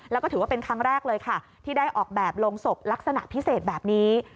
แล้วก็ถือว่าเป็นครั้งแรกเลยค่ะที่ได้ออกแบบลงศพลักษณะพิเศษแบบนี้